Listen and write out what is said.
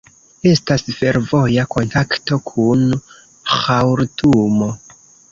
Estas fervoja kontakto kun Ĥartumo.